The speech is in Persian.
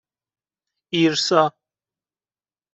ایرسا